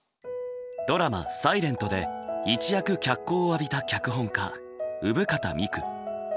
ドラマ「ｓｉｌｅｎｔ」で一躍脚光を浴びた脚本家生方美久。